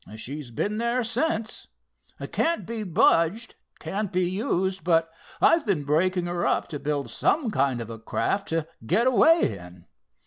She's been there since. Can't be budged, can't be used, but I've been breaking her up to build some kind of a craft to get away in.